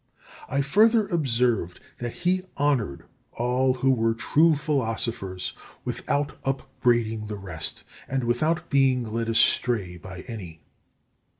I further observed that he honoured all who were true philosophers, without upbraiding the rest, and without being led astray by any.